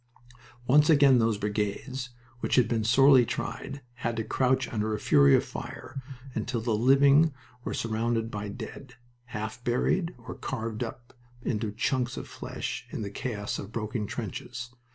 Once again those brigades, which had been sorely tried, had to crouch under a fury of fire, until the living were surrounded by dead, half buried or carved up into chunks of flesh in the chaos of broken trenches.